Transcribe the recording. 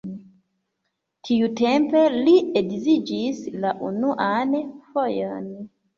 Tiutempe li edziĝis la unuan fojon.